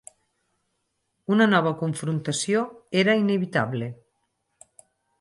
Una nova confrontació era inevitable.